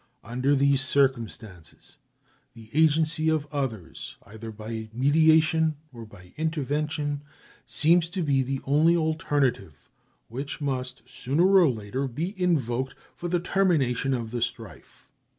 Under these circumstances the agency of others, either by mediation or by intervention, seems to be the only alternative which must, sooner or later, be invoked for the termination of the strife.